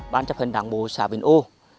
bán chấp hình đảng bộ xã vĩnh âu